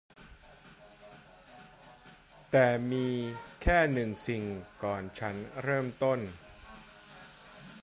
แต่มีแค่หนึ่งสิ่งก่อนฉันเริ่มต้น